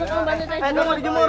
eh teman di jemur